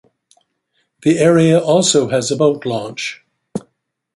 The area also has a boat launch.